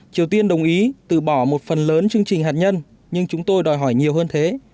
triều tiên đồng ý từ bỏ một phần lớn chương trình hạt nhân nhưng chúng tôi đòi hỏi nhiều hơn thế